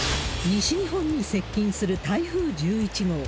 西日本に接近する台風１１号。